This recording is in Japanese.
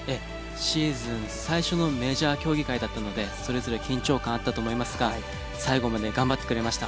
シーズン最初のメジャー競技会だったのでそれぞれ緊張感あったと思いますが最後まで頑張ってくれました。